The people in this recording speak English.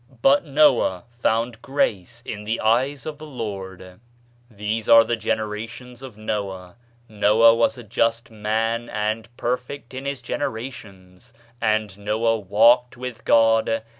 But Noah found grace in the eyes of the Lord. ["These are the generations of Noah: Noah was a just man and perfect in his generations, and Noah walked with God.